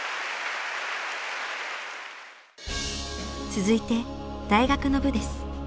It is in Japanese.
続いて大学の部です。